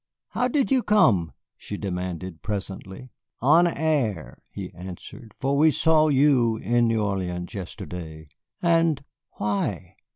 "How did you come?" she demanded presently. "On air," he answered, "for we saw you in New Orleans yesterday." "And why?"